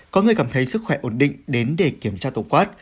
có người cảm thấy sức khỏe ổn định đến để kiểm tra